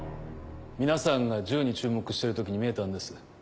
皆さんが銃に注目してる時に見えたんです。